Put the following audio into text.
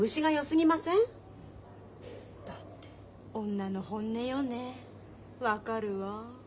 女の本音よね分かるわ。